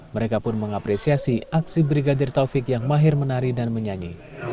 mereka pun mengapresiasi aksi brigadir taufik yang mahir menari dan menyanyi